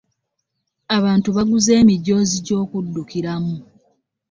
Abantu baguze emijoozi gy'okudukiramu.